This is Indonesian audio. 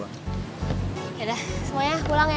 yaudah semuanya pulang ya